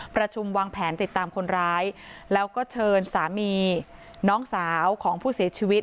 ประชุมวางแผนติดตามคนร้ายแล้วก็เชิญสามีน้องสาวของผู้เสียชีวิต